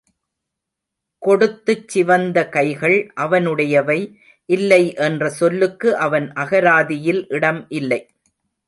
கொடுத்துச் சிவந்தகைகள் அவனுடையவை இல்லைஎன்ற சொல்லுக்கு அவன் அகராதியில் இடம் இல்லை.